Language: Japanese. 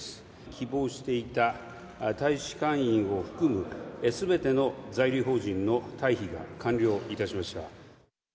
希望していた大使館員を含む、すべての在留邦人の退避が完了いたしました。